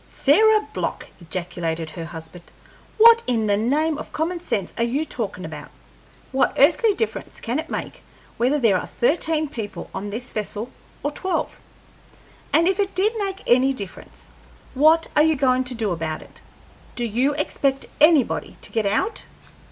"Sarah Block!" ejaculated her husband, "what in the name of common sense are you talkin' about? What earthly difference can it make whether there are thirteen people on this vessel or twelve? And if it did make any difference, what are you goin' to do about it? Do you expect anybody to get out?"